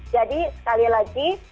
jadi sekali lagi